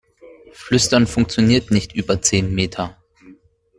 Flüstern funktioniert nicht über zehn Meter.